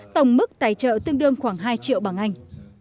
tổng mức tài trợ tương đương khoảng hai triệu bằng anh